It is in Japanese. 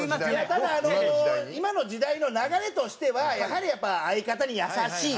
ただあの今の時代の流れとしてはやはりやっぱ相方に優しい。